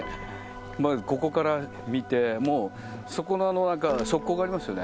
まず、ここから見ても、そこに側溝がありますよね。